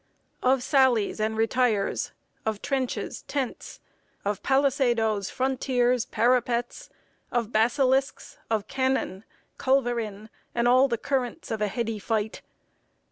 Of sallies and retires; of trenches, tents, Of palisadoes, frontiers, parapets; Of basilisks, of cannon, culverin; And all the currents of a heady fight.